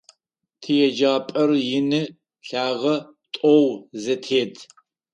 ТиеджапӀэр ины, лъагэ, тӀоу зэтет.